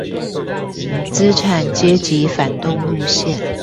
資產階級反動路線